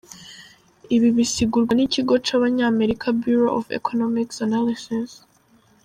Ibi bisigurwa n'ikigo c'abany'Amerika 'Bureau of Economic Analysis'.